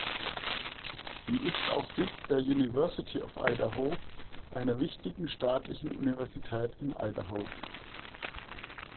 Sie ist auch Sitz der University of Idaho, einer wichtigen staatlichen Universität in Idaho.